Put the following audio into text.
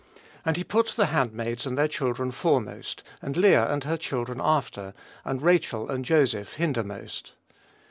And he put the handmaids and their children foremost, and Leah and her children after, and Rachel and Joseph hindermost."